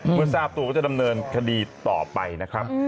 เมื่อทราบตัวก็จะดำเนินคดีต่อไปนะครับ